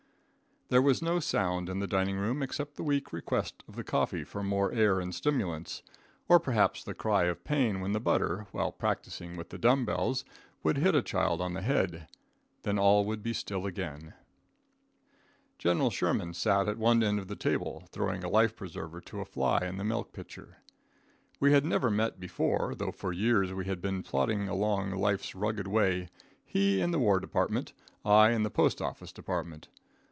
There was no sound in the dining room except the weak request of the coffee for more air and stimulants, or perhaps the cry of pain when the butter, while practicing with the dumb bells, would hit a child on the head; then all would be still again. General Sherman sat at one end of the table, throwing a life preserver to a fly in the milk pitcher. We had never met before, though for years we had been plodding along life's rugged way he in the war department, I in the postoffice department.